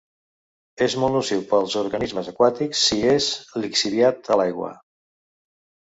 És molt nociu pels organismes aquàtics si és lixiviat a l'aigua.